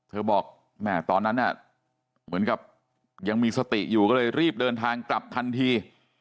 บอกแม่ตอนนั้นเหมือนกับยังมีสติอยู่ก็เลยรีบเดินทางกลับทันที